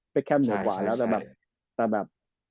เบ็ดแค้นหมดกว่าแล้ว